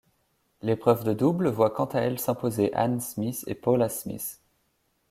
L'épreuve de double voit quant à elle s'imposer Anne Smith et Paula Smith.